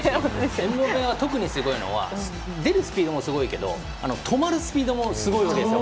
エムバペが特にすごいのは出るスピードもすごいけど止まるスピードもすごいわけですよ。